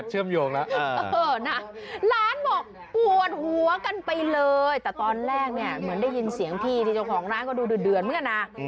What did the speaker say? เหมือนได้ยินเสียงพี่ที่เจ้าของร้านก็ดูเดือดเหดือนไหมกันอ่ะ